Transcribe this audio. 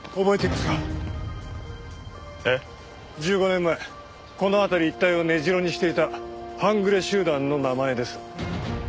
１５年前この辺り一帯を根城にしていた半グレ集団の名前です。